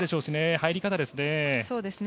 入り方ですね。